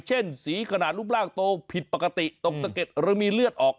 เช่นสีขนาดรูปร่างโตผิดปกติตกสะเก็ดหรือมีเลือดออก